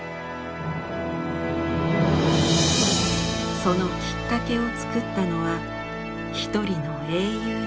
そのきっかけを作ったのは一人の英雄でした。